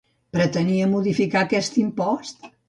Pretenia modificar aquest impost?